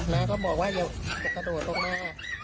น้าก็บอกว่าอย่าจะกระโดดลงมา